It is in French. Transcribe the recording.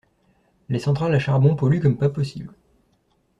Les centrales à charbon polluent comme pas possible.